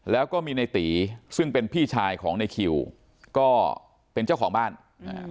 แล้วก็มีในตีซึ่งเป็นพี่ชายของในคิวก็เป็นเจ้าของบ้านอ่า